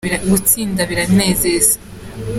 Gutsinda biranezeza.